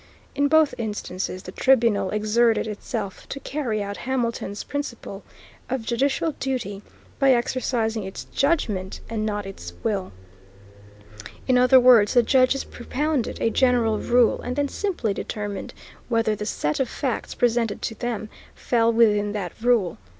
In both instances the tribunal exerted itself to carry out Hamilton's principle of judicial duty by exercising its judgment and not its will. In other words, the judges propounded a general rule and then simply determined whether the set of facts presented to them fell within that rule.